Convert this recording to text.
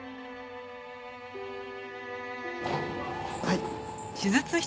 はい。